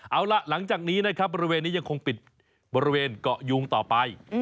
เอาล่ะหลังจากนี้นะครับบริเวณนี้ยังคงปิดบริเวณเกาะยุงต่อไป